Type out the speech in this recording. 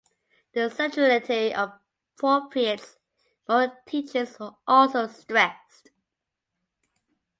The centrality of the Prophets' moral teachings was also stressed.